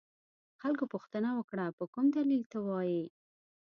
خلکو پوښتنه وکړه په کوم دلیل ته وایې.